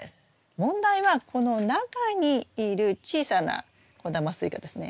問題はこの中にいる小さな小玉スイカですね。